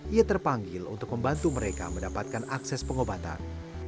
ia terpanggil untuk membantu mereka mendapatkan akses pengobatan